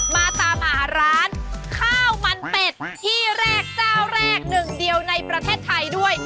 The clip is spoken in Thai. มาตามหาร้านข้าวมันเป็ดที่แรกเจ้าแรกหนึ่งเดียวในประเทศไทยด้วย